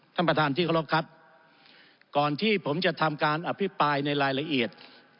ท่านประธานที่เคารพครับก่อนที่ผมจะทำการอภิปรายในรายละเอียด